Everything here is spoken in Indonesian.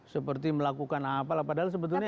seperti melakukan apalah padahal sebetulnya